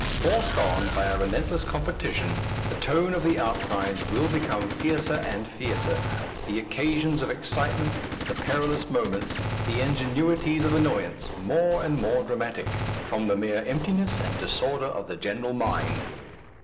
Forced on by a relentless competition, the tone of the outcries will become fiercer and fiercer; the occasions of excitement, the perilous moments, the ingenuities of annoyance, more and more dramatic, from the mere emptiness and disorder of the general mind!